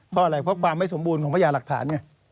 เพราะอะไรเพราะความไม่สมบูรณ์ของพญาหลักฐานไง